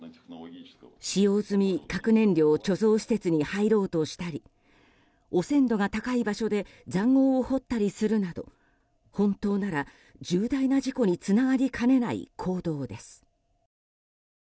使用済み核燃料貯蔵施設に入ろうとしたり汚染度が高い場所で塹壕を掘ったりするなど本当なら重大な事故につながりかねない行動です。